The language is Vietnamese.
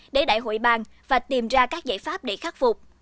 để đại hội bàn và tìm ra các giải pháp để khắc phục